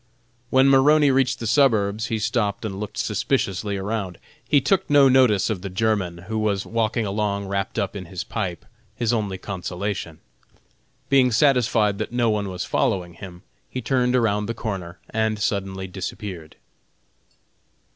When Maroney reached the suburbs he stopped and looked suspiciously around. He took no notice of the German, who was walking along wrapped up in his pipe, his only consolation. Being satisfied that no one was following him, he turned around the corner and suddenly disappeared.